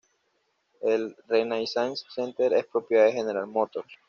El Renaissance Center es propiedad de General Motors.